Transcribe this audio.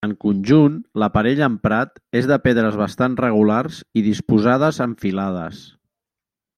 En conjunt, l'aparell emprat és de pedres bastant regulars i disposades en filades.